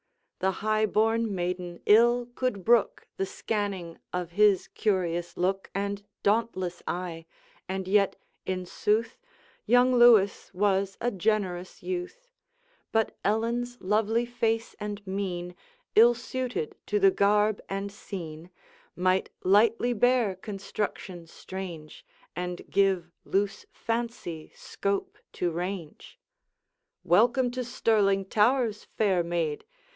The high born maiden ill could brook The scanning of his curious look And dauntless eye: and yet, in sooth Young Lewis was a generous youth; But Ellen's lovely face and mien Ill suited to the garb and scene, Might lightly bear construction strange, And give loose fancy scope to range. 'Welcome to Stirling towers, fair maid!